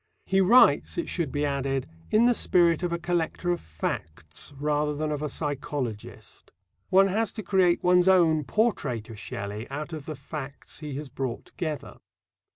He writes, it should be added, in the spirit of a collector of facts rather than of a psychologist. One has to create one's own portrait of Shelley out of the facts he has brought together.